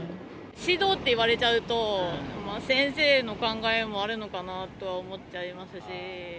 指導って言われちゃうと、先生の考えもあるのかなとは思っちゃいますし。